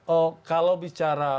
oh kalau bicara